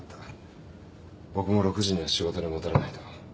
僕も６時には仕事に戻らないと。